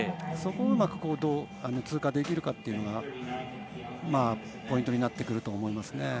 そこをうまく通過できるかというのがポイントになってくると思いますね。